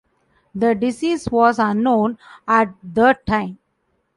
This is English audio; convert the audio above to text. The disease was unknown at the time.